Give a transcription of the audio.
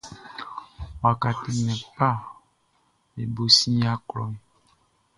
Waka tɛnndɛn kpaʼm be bo sin yia klɔʼn.